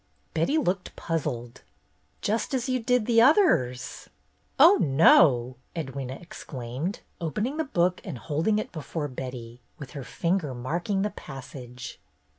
Betty looked puzzled. "Just as you did the others —" "Oh, no!" Edwyna exclaimed, opening the book and holding it before Betty, with her finger marking the passage.